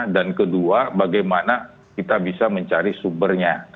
dan kedua bagaimana kita bisa mencari sumbernya